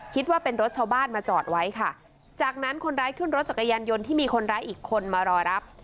คิดว่าเป็นรถชาวบ้านมาจอดไว้ค่ะจากนั้นคนร้ายขึ้นรถจักรยานยนต์ที่มีคนร้ายอีกคนมารอรับ